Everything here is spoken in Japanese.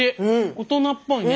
大人っぽいね。